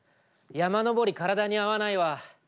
山登り体に合わないわ。